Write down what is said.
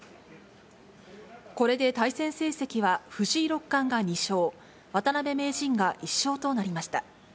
これで対戦成績は藤井六冠が２勝、渡辺名人が１勝となりました。